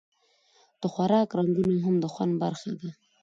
د خوراک رنګونه هم د خوند برخه ده.